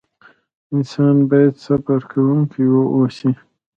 انسان بايد صبر کوونکی واوسئ.